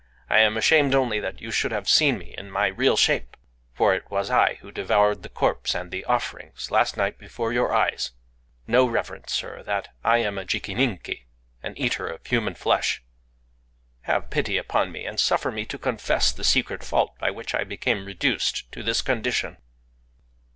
I am ashamed only that you should have seen me in my real shape,—for it was I who devoured the corpse and the offerings last night before your eyes... Know, reverend Sir, that I am a jikininki,—an eater of human flesh. Have pity upon me, and suffer me to confess the secret fault by which I became reduced to this condition.